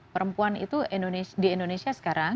perempuan itu di indonesia sekarang